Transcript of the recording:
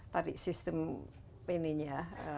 tadi sistem ini ya